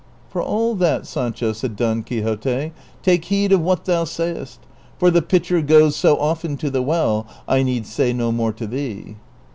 " For all that, Sancho," said Don Quixote, " take heed of what thou sayest, for the pitcher goes so often to the well ^— I need say no more to thee."